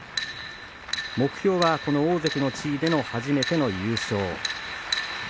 目標は大関の地位での初めての優勝。